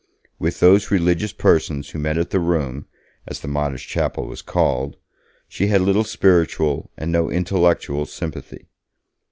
With those religious persons who met at the Room, as the modest chapel was called, she had little spiritual, and no intellectual, sympathy.